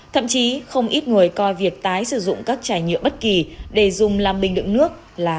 thậm chí không ít người coi việc tái sử dụng các chai nhựa bất kỳ để dùng làm bình đựng nước